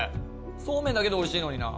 そうめんだけでおいしいのにな。